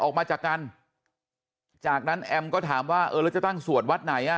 ออกมาจากกันจากนั้นแอมก็ถามว่าเออแล้วจะตั้งสวดวัดไหนอ่ะ